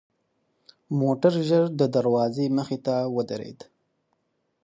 موټر ژر د دروازې مخې ته ودرېد.